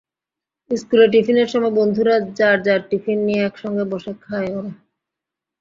স্কুলে টিফিনের সময় বন্ধুরা যার যার টিফিন নিয়ে একসঙ্গে বসে খায় ওরা।